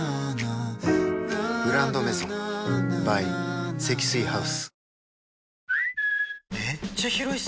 「グランドメゾン」ｂｙ 積水ハウス